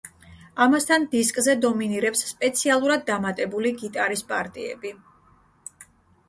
ამასთან, დისკზე დომინირებს სპეციალურად დამატებული გიტარის პარტიები.